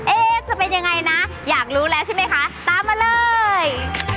จะเป็นยังไงนะอยากรู้แล้วใช่ไหมคะตามมาเลย